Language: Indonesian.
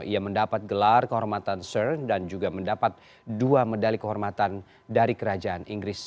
ia mendapat gelar kehormatan sur dan juga mendapat dua medali kehormatan dari kerajaan inggris